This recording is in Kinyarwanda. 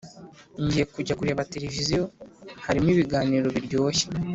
ngiye kujya kureba televiziyo harimo ibiganiro biryoshye